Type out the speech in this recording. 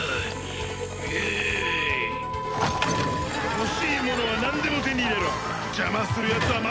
欲しいものはなんでも手に入れろ！邪魔するやつはまとめて殲滅だ！